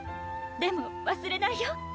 でもわすれないよ